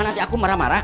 nanti aku marah marah